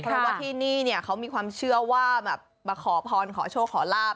เพราะว่าที่นี่เนี่ยเขามีความเชื่อว่าแบบมาขอพรขอโชคขอลาบ